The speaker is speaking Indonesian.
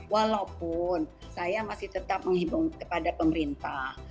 walaupun saya masih tetap menghibur kepada pemerintah